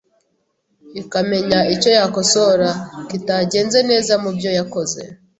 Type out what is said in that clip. ikamenya icyo yakosora kitagenze neza mubyo yakoze